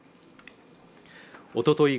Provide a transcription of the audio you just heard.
おととい